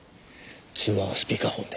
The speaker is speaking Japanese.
通話はスピーカーホンで。